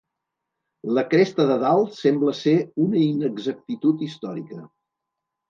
La cresta de dalt sembla ser una inexactitud històrica.